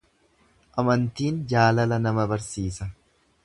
Amantiin jaalala nama barsiisa.